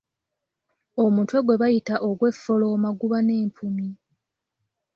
Omutwe gwe bayita ogweffolooma guba n’empumi.